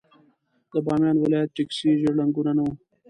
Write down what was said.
د بامیان ولايت ټکسي ژېړ رنګونه نه وو.